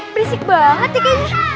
berisik banget ya kayaknya